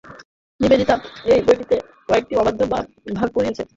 নিবেদিতা এই বইটিকে কয়েকটি অধ্যায়ে ভাগ করেছিলেন।